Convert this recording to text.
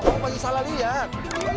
kamu pasti salah lihat